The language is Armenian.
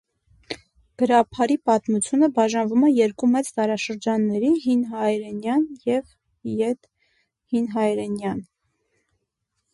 Գրաբարի պատմությունը բաժանվում է երկու մեծ դարաշրջանների՝ հինհայերենյան և ետհինհայերենյան։